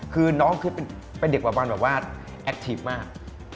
คือน้องคือเป็นเด็กบอลแบบว่าแอคทีฟมาก